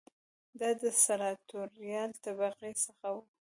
دا د سناتوریال طبقې څخه و